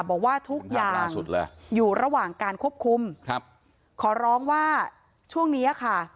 บอกว่าทุกอย่างเลยอยู่ระหว่างการควบคุมครับขอร้องว่าช่วงนี้ค่ะ